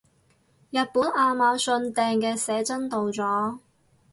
日本亞馬遜訂嘅寫真到咗